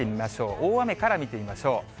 大雨から見てみましょう。